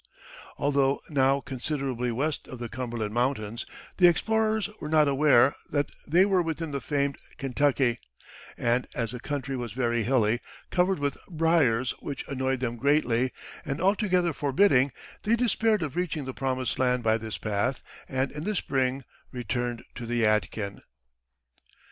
Although now considerably west of the Cumberland Mountains, the explorers were not aware that they were within the famed Kentucky; and as the country was very hilly, covered with briers which annoyed them greatly, and altogether forbidding, they despaired of reaching the promised land by this path, and in the spring returned to the Yadkin.